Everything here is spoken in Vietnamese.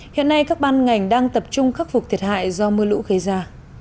hiện nay các ban ngành đang tập trung khắc phục thiệt hại do mưa lũ gây ra